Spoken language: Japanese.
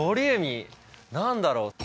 何だろう。